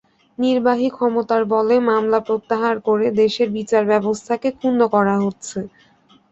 নির্বাহী ক্ষমতার বলে মামলা প্রত্যাহার করে দেশের বিচারব্যবস্থাকে ক্ষুণ্ন করা হচ্ছে।